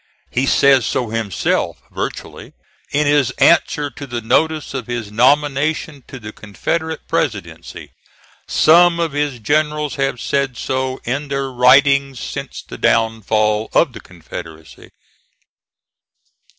He says so himself, virtually, in his answer to the notice of his nomination to the Confederate presidency. Some of his generals have said so in their writings since the downfall of the Confederacy.